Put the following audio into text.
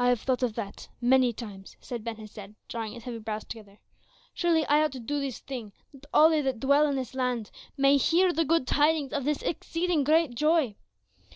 "I have thought of that many times," said Ben Hesed, drawing his heavy brows together. "Surely I ought to do this thing, that all they that dwell in this land may hear the good tidings of this exceeding great joy.